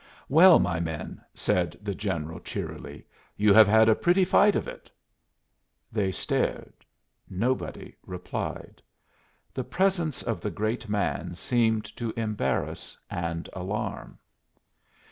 "Well, my men," said the general cheerily, "you have had a pretty fight of it." They stared; nobody replied; the presence of the great man seemed to embarrass and alarm.